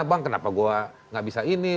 bang kenapa gue gak bisa ini